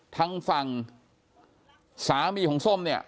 ทางฝั่งสามีของส้มเนี่ย